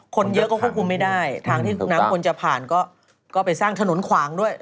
คนเยอะก็ควบคุมไม่ได้ทางที่น้ำควรจะผ่านก็ไปสร้างถนนขวางด้วย